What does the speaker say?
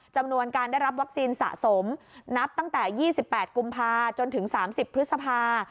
จำนวนการได้รับวัคซีนสะสมนับตั้งแต่๒๘กุมภาจนถึง๓๐พฤษภา